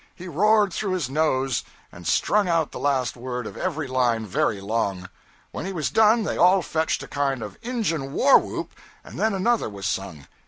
He roared through his nose, and strung out the last word of every line very long. When he was done they all fetched a kind of Injun war whoop, and then another was sung.